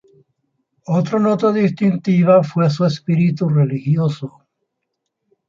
Otra nota distintiva fue su espíritu religioso.